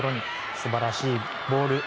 素晴らしいボール。